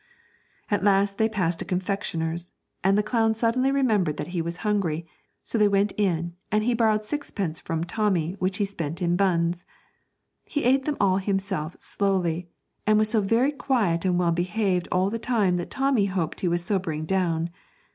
At last they passed a confectioner's, and the clown suddenly remembered that he was hungry, so they went in, and he borrowed sixpence from Tommy, which he spent in buns. He ate them all himself slowly, and was so very quiet and well behaved all the time that Tommy hoped he was sobering down.